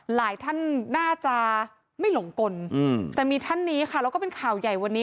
หลายท่านน่าจะไม่หลงกลแต่มีท่านนี้ค่ะแล้วก็เป็นข่าวใหญ่วันนี้